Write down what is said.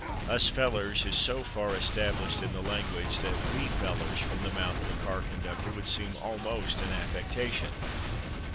"/Us/ fellers" is so far established in the language that "/we/ fellers," from the mouth of a car conductor, would seem almost an affectation.